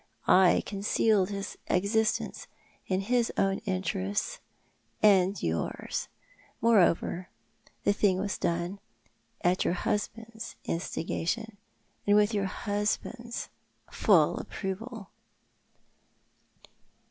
I concealed his existence — in his own interests and yours. More over, the thing was done at your husband's instigation, and with your husband's full approval."